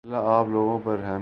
اللہ آپ لوگوں پر رحم کرے